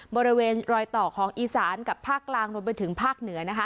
บริเวณรอยต่อของอีสานกับภาคกลางรวมไปถึงภาคเหนือ